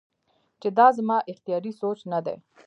چې دا زما اختياري سوچ نۀ دے